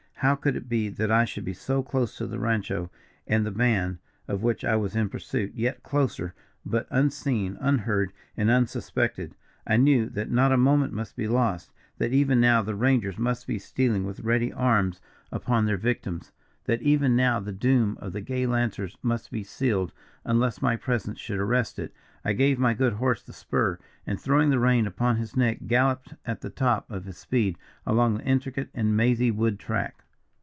How could it be that I should be so close to the rancho and the band, of which I was in pursuit, yet closer, but unseen, unheard and unsuspected. I knew that not a moment must be lost. That even now the rangers must be stealing with ready arms upon their victims; that even now the doom of the gay lancers must be sealed, unless my presence should arrest it. I gave my good horse the spur, and throwing the rein upon his neck, galloped at the top of his speed along the intricate and mazy wood track.